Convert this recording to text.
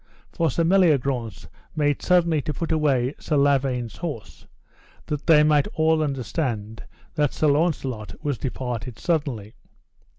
For Sir Meliagrance made suddenly to put away aside Sir Lavaine's horse, that they might all understand that Sir Launcelot was departed suddenly.